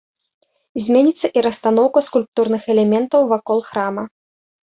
Зменіцца і расстаноўка скульптурных элементаў вакол храма.